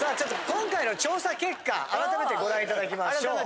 今回の調査結果改めてご覧いただきましょう。